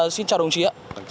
xin chào đồng chí ạ